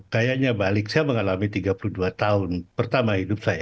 kayaknya balik saya mengalami tiga puluh dua tahun pertama hidup saya